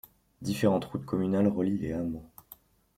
Différentes routes communales relient les hameaux.